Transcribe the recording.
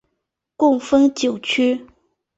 共分九区。